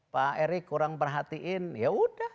pak erick kurang perhatiin ya udah